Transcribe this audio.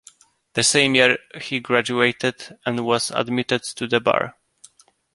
That same year he graduated and was admitted to the bar.